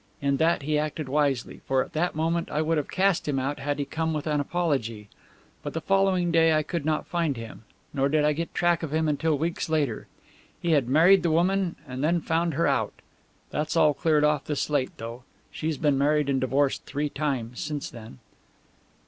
In that he acted wisely, for at that moment I would have cast him out had he come with an apology. But the following day I could not find him; nor did I get track of him until weeks later. He had married the woman and then found her out. That's all cleared off the slate, though. She's been married and divorced three times since then."